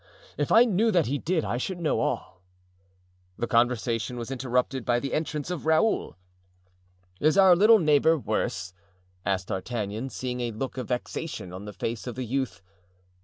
if I knew that he did I should know all." The conversation was interrupted by the entrance of Raoul. "Is our little neighbor worse?" asked D'Artagnan, seeing a look of vexation on the face of the youth.